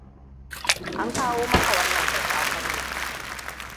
An kawo maka wannan da safen nan.